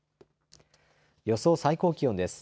予想最高気温です。